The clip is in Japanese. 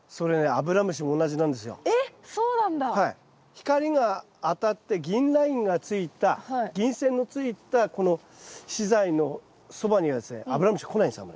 光が当たって銀ラインがついた銀線のついたこの資材のそばにはですねアブラムシ来ないんですよ